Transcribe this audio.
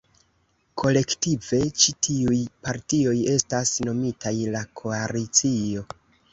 Kolektive, ĉi tiuj partioj estas nomitaj la Koalicio.